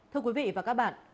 thưa quý vị và các bạn